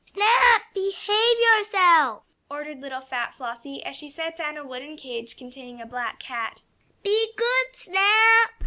"Snap! Behave yourself!" ordered little fat Flossie, as she set down a wooden cage containing a black cat. "Be good, Snap!"